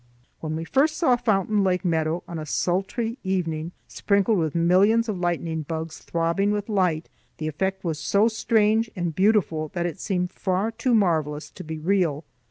When we first saw Fountain Lake Meadow, on a sultry evening, sprinkled with millions of lightning bugs throbbing with light, the effect was so strange and beautiful that it seemed far too marvelous to be real.